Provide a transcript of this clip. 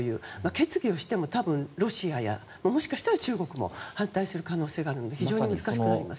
決議をしても、多分ロシアやもしかしたら中国も反対する可能性があるので非常に難しくなります。